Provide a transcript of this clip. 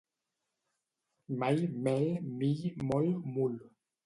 Mall, mel, mill, molt, mul.